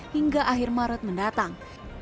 hingga akhir maret mendatang